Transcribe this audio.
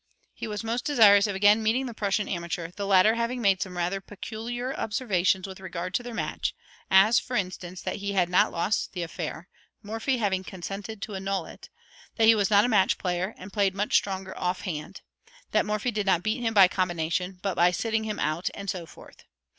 He was most desirous of again meeting the Prussian amateur, the latter having made some rather peculiar observations with regard to their match; as, for instance, that he had not lost the affair, Morphy having consented to annul it: that he was not a match player, and played much stronger off hand: that Morphy did not beat him by combination, but by sitting him out, and so forth.